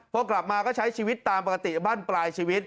พอกลับมาก็ใช้ชีวิตตามปกติบ้านปลายชีวิต